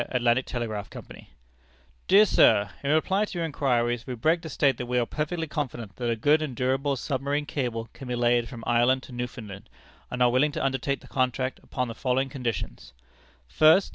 Atlantic Telegraph Company_: "Dear Sir: In reply to your inquiries, we beg to state, that we are perfectly confident that a good and durable Submarine Cable can be laid from Ireland to Newfoundland, and are willing to undertake the contract upon the following conditions: "First.